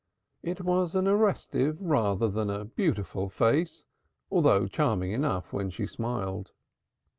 It was an arrestive rather than a beautiful face, though charming enough when she smiled.